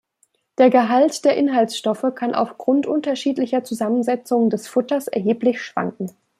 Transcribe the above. Der Gehalt der Inhaltsstoffe kann aufgrund unterschiedlicher Zusammensetzung des Futters erheblich schwanken.